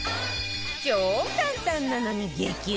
超簡単なのに激うま！